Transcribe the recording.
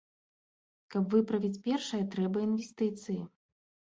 Каб выправіць першае, трэба інвестыцыі.